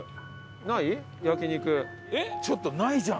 ちょっとないじゃん！